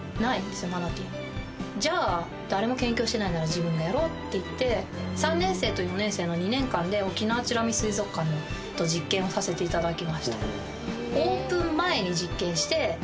じゃあやろうって言って３年生と４年生の２年間で沖縄美ら海水族館と実験をさせていただきました。